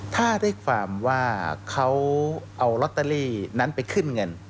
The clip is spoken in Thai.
ถ้าได้ความว่าเขาเอาลอตเตอรี่นั้นไปขึ้นเงิน